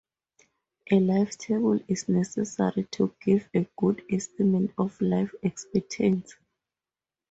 A life table is necessary to give a good estimate of life expectancy.